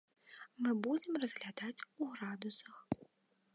Мы будзем разглядаць у градусах.